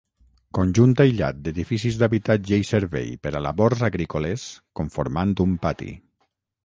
Conjunt aïllat d'edificis d'habitatge i servei per a labors agrícoles conformant un pati.